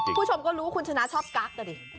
คุณผู้ชมก็รู้ว่าคุณชนะชอบกั๊กนะดิ